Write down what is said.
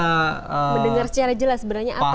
mendengar secara jelas apa yang dibicarakan